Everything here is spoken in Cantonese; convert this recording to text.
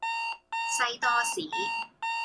西多士